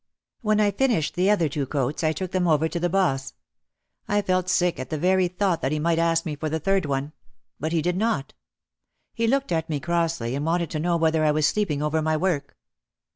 When I finished the other two coats I took them over to the boss. I felt sick at the very thought that he might ask me for the third one. But he did not. He looked at me crossly and wanted to know whether I was sleep ing over my work.